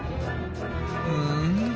うん？